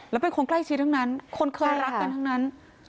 แล้วเป็นคนใกล้ชิดทั้งนั้นคนเคยรักกันทั้งนั้น